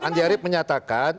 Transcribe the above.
andi harip menyatakan